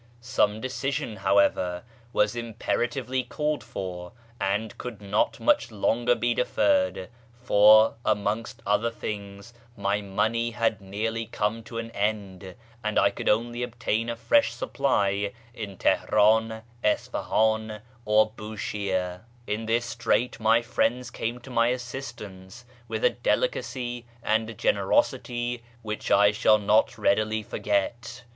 Some decision, however, was imperatively called for, and could not much longer be deferred ; for, amongst other things, my money had nearly come to an end, and I could only obtain a fresh supply in Teheran, Isfahan, or Bushire. In this strait my friends came to my assistance with a delicacy and a gener osity which I shall not readily forget.